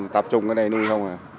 tập trung ở đây nuôi thôi mà